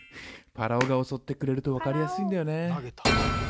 ぱらおが襲ってくれると分かりやすいんだよね。